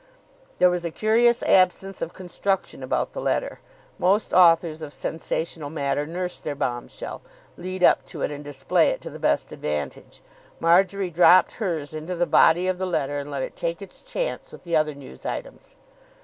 There was a curious absence of construction about the letter. Most authors of sensational matter nurse their bomb shell, lead up to it, and display it to the best advantage. Marjory dropped hers into the body of the letter, and let it take its chance with the other news items.